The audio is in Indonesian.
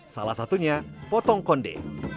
salah satunya potong konde